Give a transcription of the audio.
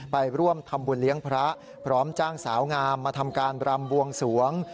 ไปร่วมทำบุญเลี้ยงพระพร้อมจ้างสาวงามมาทำการรำบวงสวง